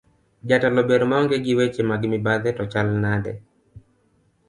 Jatelo ber maonge gi weche mag mibadhi to chal nade?